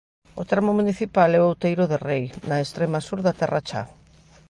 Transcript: O termo municipal é Outeiro de Rei, na estrema sur da Terra Cha.